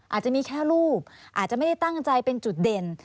อาจจะมีแค่รูปอาจจะไม่ได้ตั้งใจเป็นจุดเด่น